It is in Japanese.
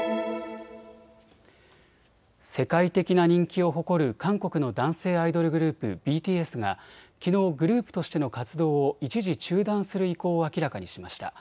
世界的な人気を誇る韓国の男性アイドルグループ、ＢＴＳがきのうグループとしての活動を一時中断する意向を明らかにしました。